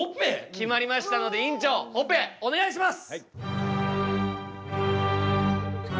決まりましたので院長オペお願いします！